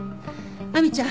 亜美ちゃん